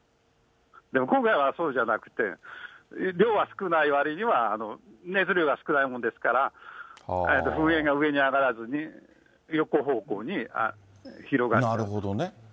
でも今回はそうじゃなくて、量は少ないわりには、熱量が少ないものですから、噴煙が上に上がらずに、なるほどね。